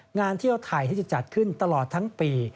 งานเที่ยวไทยที่จะจัดขึ้นตลอดทั้งปี